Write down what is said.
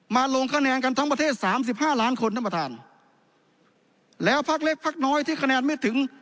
ลงคะแนนกันทั้งประเทศสามสิบห้าล้านคนท่านประธานแล้วพักเล็กพักน้อยที่คะแนนไม่ถึง